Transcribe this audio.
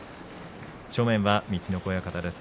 正面は陸奥親方です。